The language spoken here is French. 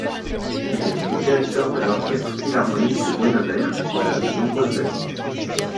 Il a été directeur de l'Orchestre philharmonique de Buenos Aires pendant de nombreuses années.